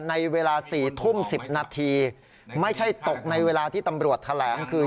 แบบนี้ครับถูกผลักตกหัวเรือ